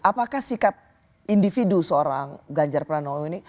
apakah sikap individu seorang ganjar pranowo ini